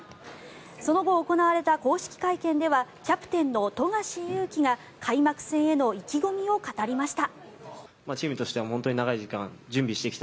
その後行われた公式会見ではキャプテンの富樫勇樹が開幕戦への意気込みを語りました。